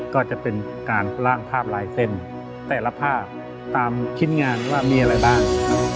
ก็จะเป็นการล่างภาพลายเส้นแต่ละภาพตามชิ้นงานว่ามีอะไรบ้าง